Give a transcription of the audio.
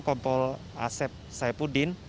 kompol asep saipudin